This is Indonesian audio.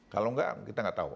kalau enggak kita nggak tahu